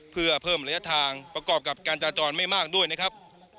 เพื่อเพิ่มระยะทางประกอบกับการจราจรไม่มากด้วยนะครับ